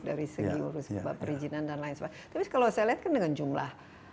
tapi kalau saya lihat kan dengan jumlah